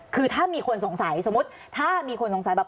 คือถ้ามีคนสงสัยสมมุติถ้ามีคนสงสัยแบบ